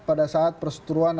pada saat persetujuan